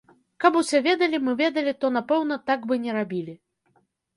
Каб усе ведалі, мы ведалі, то, напэўна, так бы не рабілі.